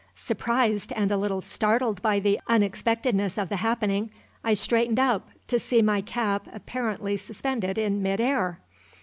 Surprised and a little startled by the unexpectedness of the happening, I straightened up, to see my cap apparently suspended in mid air!